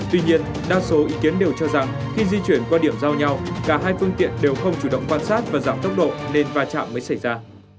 tuy nhiên đa số ý kiến đều cho rằng khi di chuyển qua điểm giao nhau cả hai phương tiện đều không chủ động quan sát và giảm tốc độ nên va chạm mới xảy ra